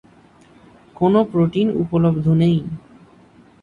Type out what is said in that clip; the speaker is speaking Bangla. কোন প্রোটিন উপলব্ধ নেই।